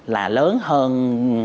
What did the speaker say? là lớn hơn